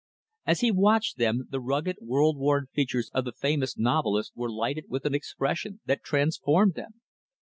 As he watched them, the rugged, world worn features of the famous novelist were lighted with an expression that transformed them.